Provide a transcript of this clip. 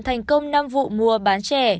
thành công năm vụ mua bán trẻ